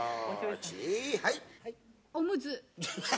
「はい」